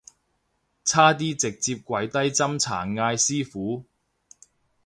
差啲直接跪低斟茶嗌師父